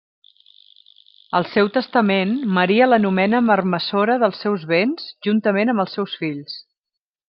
Al seu testament Maria l'anomena marmessora dels seus béns, juntament amb els seus fills.